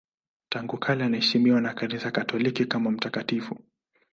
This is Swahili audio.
Tangu kale anaheshimiwa na Kanisa Katoliki kama mtakatifu.